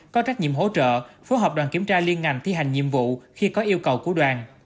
có trách nhiệm hỗ trợ phối hợp đoàn kiểm tra liên ngành thi hành nhiệm vụ khi có yêu cầu của đoàn